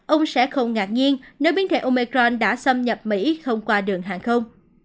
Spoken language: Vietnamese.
ông sẽ không ngạc nhiên nếu biến thể omecron đã xâm nhập mỹ không qua đường hàng không